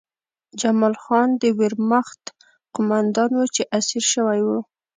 جمال خان د ویرماخت قومندان و چې اسیر شوی و